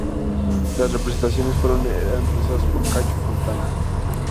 Las presentaciones fueron eran realizadas por Cacho Fontana.